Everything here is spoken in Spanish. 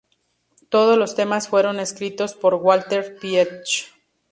Todos los temas fueron escritos por Walter Pietsch.